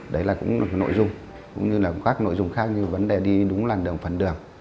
đấy là cũng là nội dung cũng như là các nội dung khác như vấn đề đi đúng làn đường phần đường